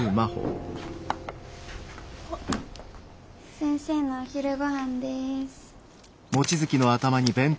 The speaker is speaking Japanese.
先生のお昼ごはんです。